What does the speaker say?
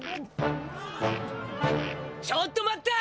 ちょっと待った！